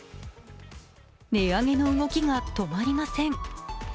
値上げの動きが止まりません。